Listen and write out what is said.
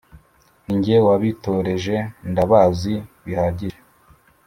nijye wabitoreje, ndabazi bihagije